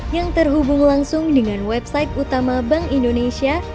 yang terhubung langsung dengan website utama bank indonesia